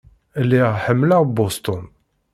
Lliɣ ḥemmleɣ Boston.